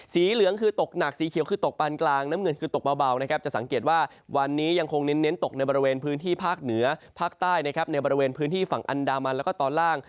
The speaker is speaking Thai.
เหลืองคือตกหนักสีเขียวคือตกปานกลางน้ำเงินคือตกเบานะครับจะสังเกตว่าวันนี้ยังคงเน้นตกในบริเวณพื้นที่ภาคเหนือภาคใต้นะครับในบริเวณพื้นที่ฝั่งอันดามันแล้วก็ตอนล่าง